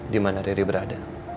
dimana riri berada